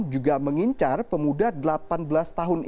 juga mengincar pemuda delapan belas tahun